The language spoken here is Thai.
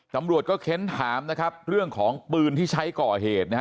ตำรวจก็เค้นถามนะครับเรื่องของปืนที่ใช้ก่อเหตุนะฮะ